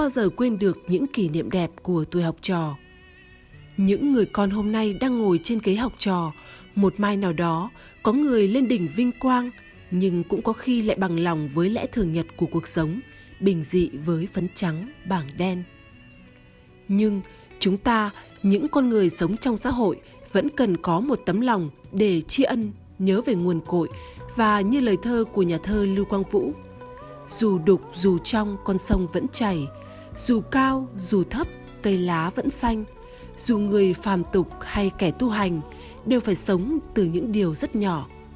dù đục dù trong con sông vẫn chảy dù cao dù thấp cây lá vẫn xanh dù người phàm tục hay kẻ tu hành đều phải sống từ những điều rất nhỏ